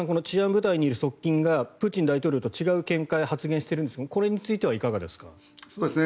治安部隊にいる側近がプーチン大統領と違う見解を発言しているんですがこれについてはいかがですか？